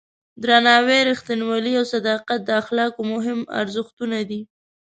درناوی، رښتینولي او صداقت د اخلاقو مهم ارزښتونه دي.